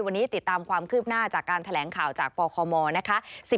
วันนี้ติดตามความคืบหน้าจากการแถลงข่าวจากปคมนะคะ